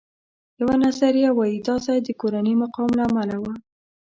یوه نظریه وایي دا ځای د کورني مقام له امله و.